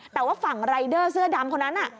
แต่ว่าฝั่งรายเดอร์เสื้อดำคนนั้น